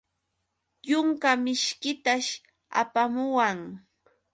Yunka mishkitash apamuwan.